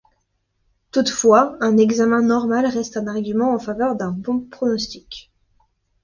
Toutefois un examen normal reste un argument en faveur d'un bon pronostic.